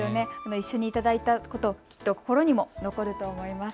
一緒にいただいたこと、心にも残ると思います。